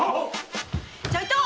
ちょいと！